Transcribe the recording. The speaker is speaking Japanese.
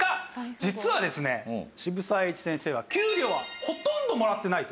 実はですね渋沢栄一先生は給料はほとんどもらってないと。